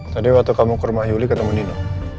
tadi waktu kamu ke rumah yuli ketemu dino